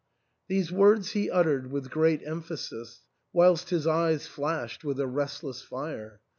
These words he uttered with great emphasis, whilst his eyes flashed with a restless fire.